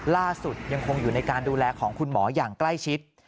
ล่าสุดยังคงอยู่ในการดูแลของคุณหมออย่างใกล้ชิด